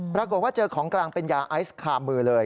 ปรากฏว่าเจอของกลางเป็นยาไอซ์คามือเลย